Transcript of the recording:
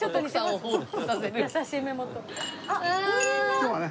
今日はね